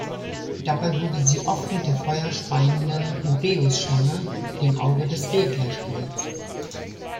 Dabei wurde sie oft mit der feuerspeienden Uräusschlange, dem Auge des Re, gleichgesetzt.